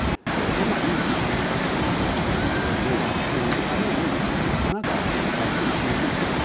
かなり時間がたってると中に根を張っているためになかなか対処しにくいという。